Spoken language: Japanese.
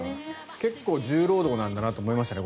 結構、重労働なんだろうと思いましたね。